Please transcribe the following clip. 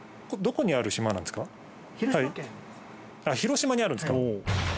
広島にあるんですか。